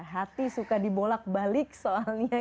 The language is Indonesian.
hati suka dibolak balik soalnya